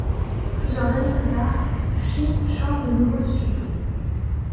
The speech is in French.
Plusieurs années plus tard, Shi change de nouveau de studios.